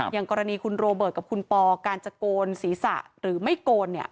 อย่างกรณีคุณโรเบิร์ตกับคุณปอการจะโกนศีรษะหรือไม่โกนเนี่ย